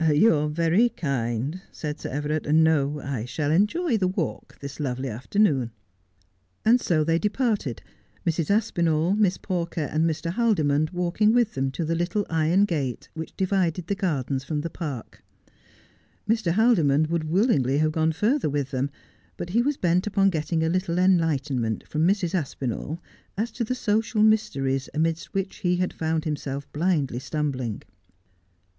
' You are very kind,' said Sir Everard. ' No, I shall enjoy the walk this lovely afternoon.' And so they departed, Mrs. Aspinall, Miss Pawker, and Mr. Haldimond walking with them to the little iron gate which divided the gardens from the park. Mr. Haldimond would willingly have gone further with them, but he was bent upon getting a little enlightenment from Mrs. Aspinall as to the social mysteries amidst which he had found himself blindly stumbling.